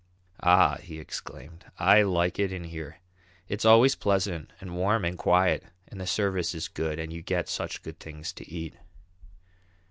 "Ah," he exclaimed, "I like it in here. It's always pleasant and warm and quiet and the service is good and you get such good things to eat."